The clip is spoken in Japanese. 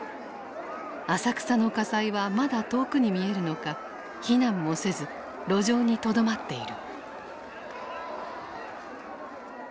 浅草の火災はまだ遠くに見えるのか避難もせず路上にとどまっている。